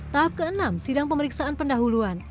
tahap keenam sidang pemeriksaan pendahuluan